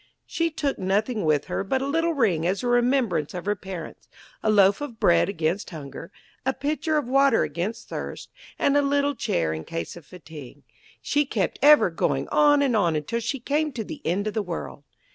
She took nothing with her but a little ring as a remembrance of her parents, a loaf of bread against hunger, a pitcher of water against thirst, and a little chair in case of fatigue. She kept ever going on and on until she came to the end of the world.